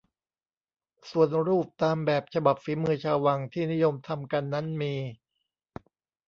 ส่วนรูปตามแบบฉบับฝีมือชาววังที่นิยมทำกันนั้นมี